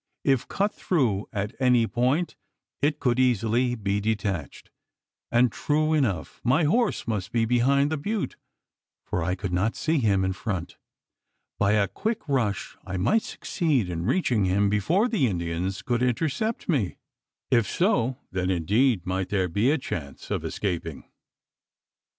If cut through at any point, it could easily be detached; and, true enough, my horse must be behind the butte, for I could not see him in front. By a quick rush I might succeed in reaching him, before the Indians could intercept me? If so, then indeed might there be a chance of escaping.